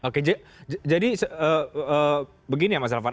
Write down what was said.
oke jadi begini ya mas elvan